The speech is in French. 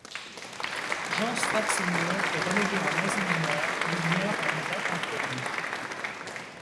Jean Stratzimir est relégué en Asie Mineure où il meurt à une date inconnue.